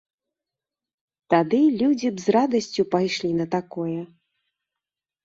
Тады людзі б з радасцю пайшлі на такое.